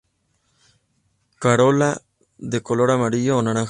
Corola de color amarillo a naranja.